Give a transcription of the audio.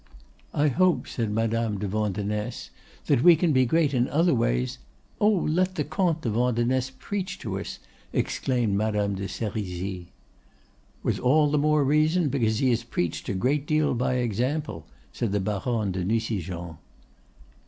"I hope," said Madame de Vandenesse, "that we can be great in other ways——" "Oh, let the Comte de Vandenesse preach to us!" exclaimed Madame de Serizy. "With all the more reason because he has preached a great deal by example," said the Baronne de Nucingen.